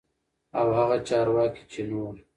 او هغه چارواکي چې نور